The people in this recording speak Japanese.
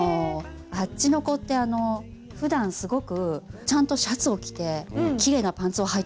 あっちの子ってふだんすごくちゃんとシャツを着てきれいなパンツをはいたりするんです。